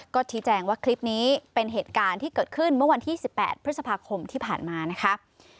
ก็ชี้แจงว่าคลิปนี้เป็นเหตุการณ์ที่เกิดขึ้นเมื่อวันที่๑๘พฤษภาคมที่ผ่านมานะคะ